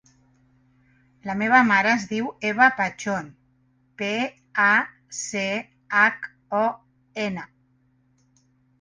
La meva mare es diu Eva Pachon: pe, a, ce, hac, o, ena.